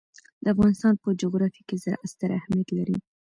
د افغانستان په جغرافیه کې زراعت ستر اهمیت لري.